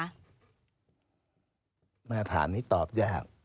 อาจารย์นี้ตอบยาก